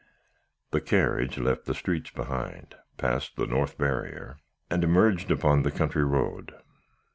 "The carriage left the streets behind, passed the North Barrier, and emerged upon the country road.